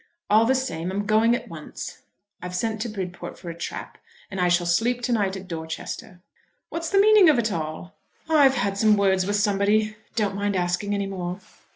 "All the same, I'm going at once. I've sent to Bridport for a trap, and I shall sleep to night at Dorchester." "What's the meaning of it all?" "I've had some words with somebody. Don't mind asking any more."